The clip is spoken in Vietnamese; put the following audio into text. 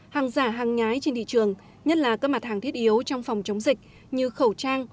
hàng giả hàng nhái trên thị trường nhất là các mặt hàng thiết yếu trong phòng chống dịch như khẩu trang